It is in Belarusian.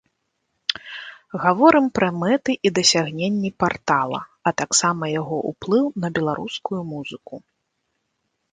Гаворым пра мэты і дасягненні партала, а таксама яго ўплыў на беларускую музыку.